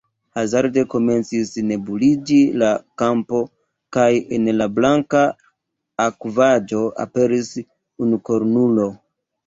Hazarde, komencis nebuliĝi la kampo, kaj el la blanka akvaĵo aperis unukornulo!